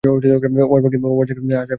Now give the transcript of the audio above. আঝাগি, এখানে আয়।